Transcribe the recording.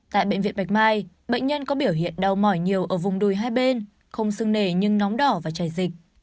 tại bệnh viện bạch mai bệnh nhân có biểu hiện đau mỏi nhiều ở vùng đùi hai bên không sưng nề nhưng nóng đỏ và chảy dịch